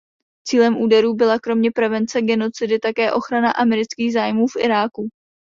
Cílem úderů byla kromě prevence genocidy také ochrana amerických zájmů v Iráku.